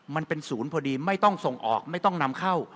มันเป็นศูนย์พอดีไม่ต้องส่งออกไม่ต้องนำเข้า